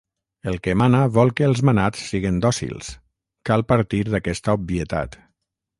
El que mana vol que els manats siguen dòcils. Cal partir d'aquesta obvietat.